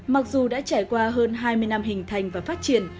mặc dù đã trải qua hơn hai mươi năm hình thành và phát triển